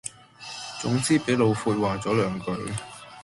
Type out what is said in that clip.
總之俾老闊話左兩句